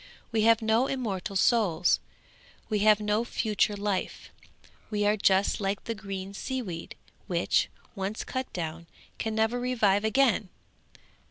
We have no immortal souls; we have no future life; we are just like the green sea weed, which, once cut down, can never revive again!